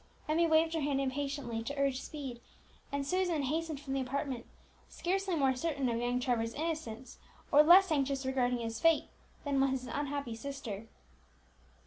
Emmie waved her hand impatiently to urge speed, and Susan hastened from the apartment, scarcely more certain of young Trevor's innocence, or less anxious regarding his fate, than was his unhappy sister.